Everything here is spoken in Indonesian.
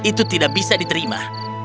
itu tidak bisa diterima